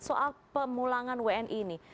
soal pemulangan wni ini